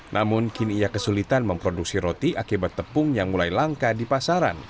namun kini ia kesulitan memproduksi roti akibat tepung yang mulai langka di pasaran